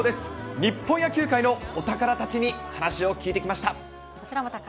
日本野球界のお宝たちに話を聞いこちらも宝。